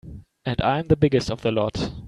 And I'm the biggest of the lot.